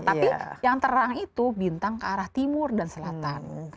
tapi yang terang itu bintang ke arah timur dan selatan